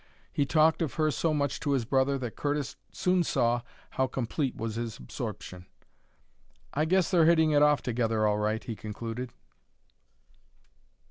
He talked of her so much to his brother that Curtis soon saw how complete was his absorption. "I guess they're hitting it off together all right," he concluded.